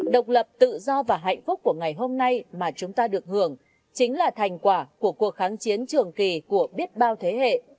độc lập tự do và hạnh phúc của ngày hôm nay mà chúng ta được hưởng chính là thành quả của cuộc kháng chiến trường kỳ của biết bao thế hệ